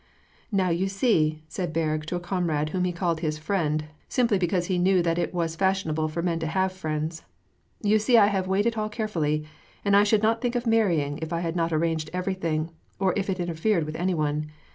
"Now you see," said Berg to a comrade whom he called his "friend," simply because he knew that it was fashionable for men to have friends, " you see I have weighed it all carefully, and I should not think of marrying if I had not arranged everything, or if it interfered with any one.